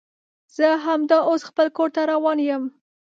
زه همدا اوس خپل کور ته روان یم